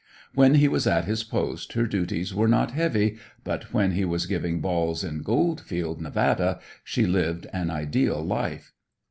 When he was at his post her duties were not heavy, but when he was giving balls in Goldfield, Nevada, she lived an ideal life.